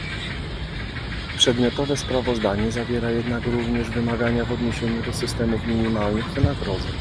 Przedmiotowe sprawozdanie zawiera jednak również wymagania w odniesieniu do systemów minimalnych wynagrodzeń